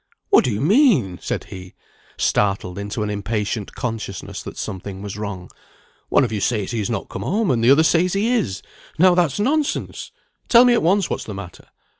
"What do you mean?" said he, startled into an impatient consciousness that something was wrong. "One of you says he is not come home, and the other says he is. Now that's nonsense! Tell me at once what's the matter.